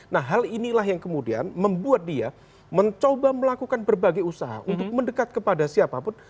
nah hal inilah yang kemudian membuat dia mencoba melakukan berbagai usaha untuk mendekat kepada siapapun